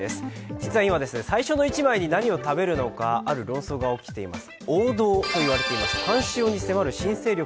実は今、最初の１枚に何を食べるのか、ある論争が起きています。